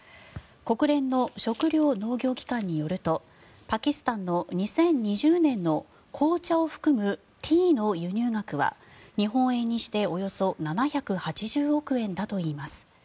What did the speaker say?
国連の食糧農業機関によるとパキスタンの２０２０年の紅茶を含むティーの輸入額は日本円にしておよそ７８０億円だといいます。